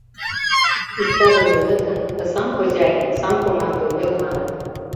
Иктажым йодат гын, «Ты сам хозяин, сам командуй» веле маныт.